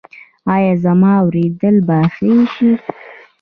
ایا زما اوریدل به ښه شي؟